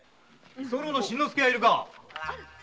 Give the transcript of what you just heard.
居候の新之助はいるか？